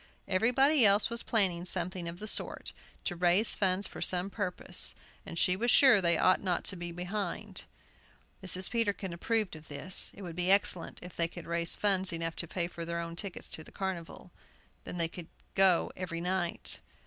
Everybody else was planning something of the sort, to "raise funds" for some purpose, and she was sure they ought not to be behindhand. Mrs. Peterkin approved of this. It would be excellent if they could raise funds enough to pay for their own tickets to the carnival; then they could go every night.